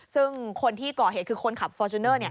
ซึ่งคนที่ก่อเหตุคือคนขับฟอร์จูเนอร์